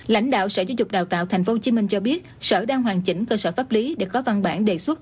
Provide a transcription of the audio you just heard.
lãnh đạo sở giáo dục đào tạo tp hcm cho biết sở đang hoàn chỉnh cơ sở pháp lý để có văn bản đề xuất